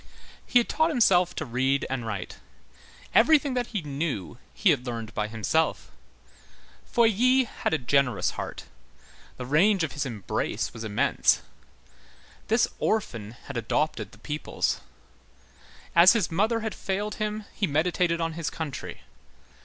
He had taught himself to read and write; everything that he knew, he had learned by himself. Feuilly had a generous heart. The range of his embrace was immense. This orphan had adopted the peoples. As his mother had failed him, he meditated on his country.